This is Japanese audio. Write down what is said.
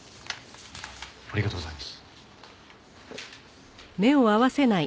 ありがとうございます。